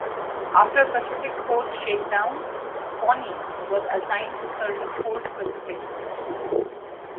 After Pacific coast shakedown "Pawnee" was assigned to Service Force, Pacific.